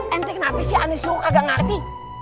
nanti kenapa sih ani suka nggak ngerti